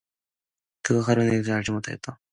그가 가로되 내가 알지 못하나이다